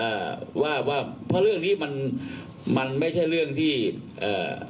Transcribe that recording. ว่าว่าเพราะเรื่องนี้มันมันไม่ใช่เรื่องที่เอ่อ